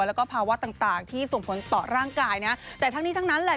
แล้วก็ภาวะต่างต่างที่ส่งผลต่อร่างกายนะแต่ทั้งนี้ทั้งนั้นแหละ